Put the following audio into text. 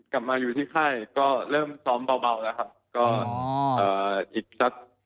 กลับมาอยู่ที่ค่ายก็เริ่มซ้อมเบาอีกสัก